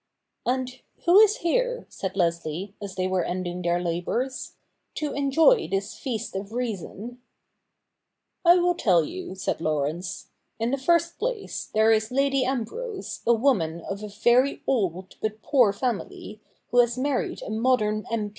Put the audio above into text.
' And who is here,' said Leslie, as they were ending their labours, ' to enjoy this feast of reason ?'' I will tell you,' said Laurence. ' In the first place, there is Lady Ambrose, a woman of a very old but poor family, who has married a modern M.